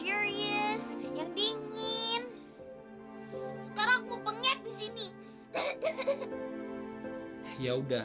yang ada ac nya yang luxurious